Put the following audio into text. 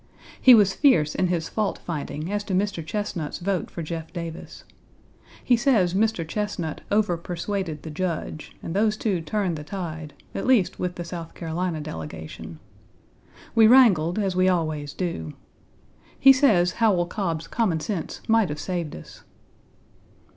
He was fierce in his fault finding as to Mr. Chesnut's vote for Jeff Davis. He says Mr. Chesnut overpersuaded the Judge, and those two turned the tide, at least with the South Carolina delegation. We wrangled, as we always do. He says Howell Cobb's common sense might have saved us.